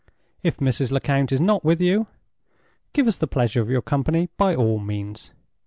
If Mrs. Lecount is not with you, give us the pleasure of your company by all means.